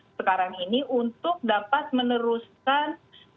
sekarang ini untuk dapat meneruskan